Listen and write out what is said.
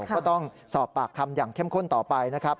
ก็ต้องสอบปากคำอย่างเข้มข้นต่อไปนะครับ